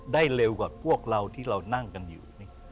เร็วกว่าพวกเราที่เรานั่งกันอยู่